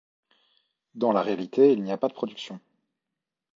Dans la réalité il n'y a pas de production.